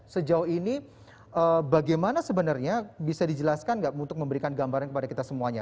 sejauh ini bagaimana sebenarnya bisa dijelaskan nggak untuk memberikan gambaran kepada kita semuanya